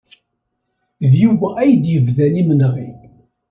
D Yuba ay d-yebdan imenɣi.